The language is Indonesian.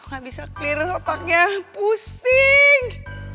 gak bisa clear otaknya pusing